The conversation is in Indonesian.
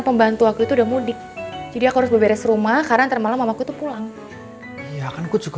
pembantu aku itu udah mudik jadi aku harus beres rumah karena malam aku tuh pulang iya kan gue juga